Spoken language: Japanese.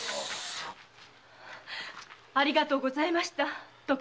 ありがとうございました徳田様。